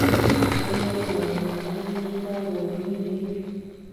ایا له میرمنې سره وینئ؟